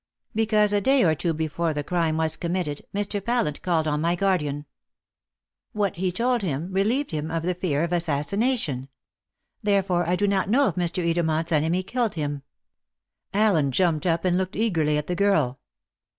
"Because a day or two before the crime was committed, Mr. Pallant called on my guardian. What he told him relieved him of the fear of assassination. Therefore I do not know if Mr. Edermont's enemy killed him." Allen jumped up and looked eagerly at the girl.